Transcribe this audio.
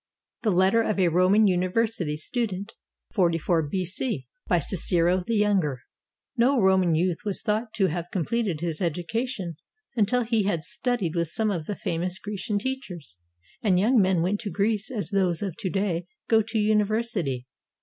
THE LETTER OF A ROMAN UNIVERSITY STUDENT [44 B.C.] BY CICERO THE YOUNGER [No Roman youth was thought to have completed his edu cation until he had studied with some of the famous Grecian teachers, and young men went to Greece as those of to day go to a university.